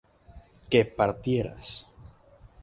que partieras